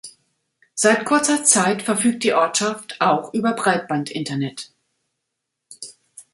Seit kurzer Zeit verfügt die Ortschaft auch über Breitbandinternet.